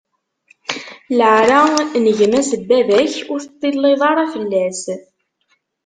Leɛra n gma-s n baba-k, ur teṭṭilliḍ ara fell-as.